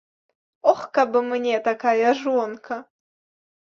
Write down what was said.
Ох, каб мне такая жонка!